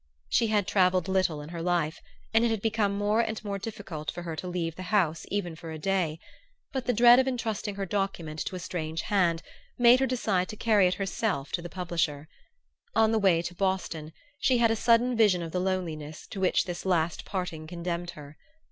She had travelled little in her life, and it had become more and more difficult to her to leave the House even for a day; but the dread of entrusting her document to a strange hand made her decide to carry it herself to the publisher. On the way to Boston she had a sudden vision of the loneliness to which this last parting condemned her.